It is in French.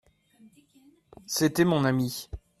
C'était mon ami.